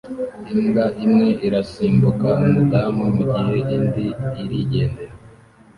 Imbwa imwe irasimbuka umudamu mugihe indi irigendera